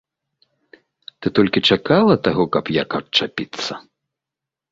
Ты толькі чакала таго, каб як адчапіцца?